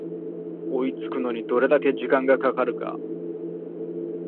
追いつくのにどれだけ時間がかかるか